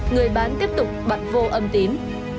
người bán tiếp tục bật vô âm tín